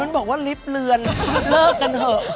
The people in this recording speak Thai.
มันบอกว่าลิฟต์เลือนเลิกกันเถอะ